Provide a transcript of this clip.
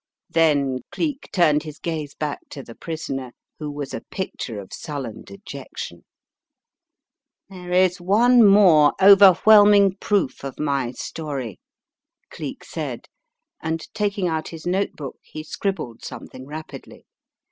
Then Geek turned his gaze back to the prisoner, who was a picture of sullen dejection. "There is one more overwhelming proof of my story," Cleek said, and taking out his notebook, he scribbled something rapidly.